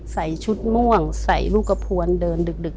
ใส่ชุดม่วงใส่ลูกกระพวนเดินดึก